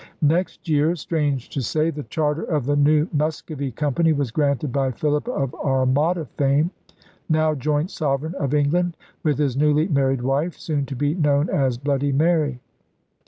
Next year, strange to say, the charter of the new Muscovy Company was granted by Philip of Armada fame, now joint sovereign of England with his newly married wife, soon to be known as 'Bloody Mary.'